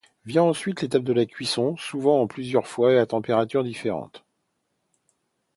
Vient ensuite l'étape de la cuisson, souvent en plusieurs fois et à température différente.